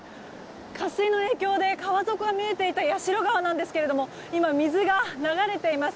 渇水の影響で川底が見えていた矢代川なんですけれども今、水が流れています。